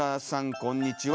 こんにちは。